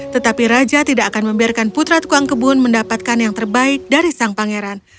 tetapi raja tidak akan membiarkan putra tukang kebun mendapatkan yang terbaik dari sang pangeran